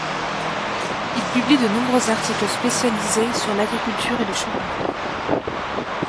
Il publie de nombreux articles spécialisés sur l'agriculture et le cheval.